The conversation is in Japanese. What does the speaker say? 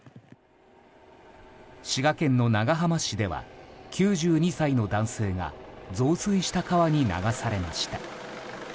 滋賀県の長浜市では９２歳の男性が増水した川に流されました。